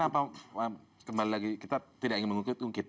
kenapa kembali lagi kita tidak ingin mengungkit ungkit